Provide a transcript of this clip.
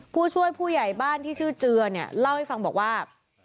ผู้ช่วยผู้ใหญ่บ้านที่ชื่อเจือเนี่ยเล่าให้ฟังบอกว่า